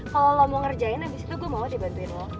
kalo lo mau ngerjain abis itu gue mau aja bantuin lo